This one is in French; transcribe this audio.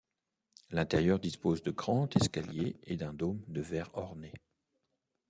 L'intérieur dispose de grands escaliers et d'un dôme de verre orné.